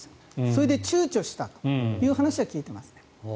それで躊躇したという話は聞いていますね。